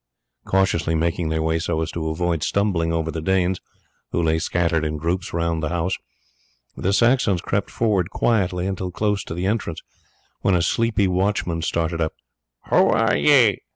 Cautiously making their way so as to avoid stumbling over the Danes, who lay scattered in groups round the house, the Saxons crept forward quietly until close to the entrance, when a sleepy watchman started up. "Who are ye?"